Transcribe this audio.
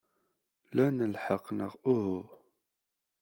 Lan lḥeqq, neɣ uhu?